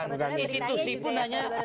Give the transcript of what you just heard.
bukan institusi pun hanya